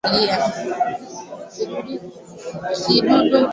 Kidudu kigani kisichotulia.